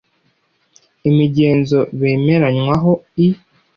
’imigenzo bemeranywaho, i